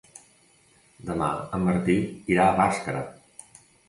Demà en Martí irà a Bàscara.